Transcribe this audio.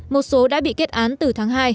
một số đã bị kết án từ tháng hai